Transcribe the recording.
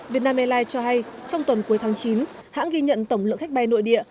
vietnam airlines cho hay trong tuần cuối tháng chín hãng ghi nhận tổng lượng khách bay nội địa